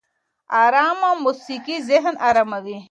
ارامه موسيقي ذهن اراموي